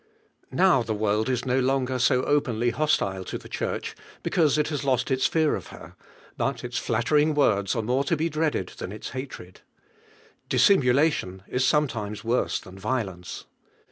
Now the world is no longer so openly hostile to the Church because it hag lost its fear of her, but its flattering words are more to be D1V1KE IIKALINCI. dreaded lhan its hatred. Dissimulation is sometimes worse lh;in violence.